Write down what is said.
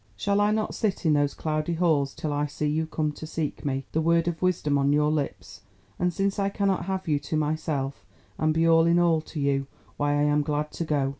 Shall I not sit in those cloudy halls till I see you come to seek me, the word of wisdom on your lips? And since I cannot have you to myself, and be all in all to you, why I am glad to go.